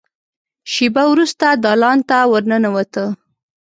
شېبه وروسته دالان ته ور ننوته.